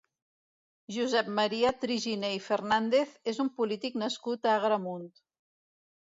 Josep Maria Triginer i Fernández és un polític nascut a Agramunt.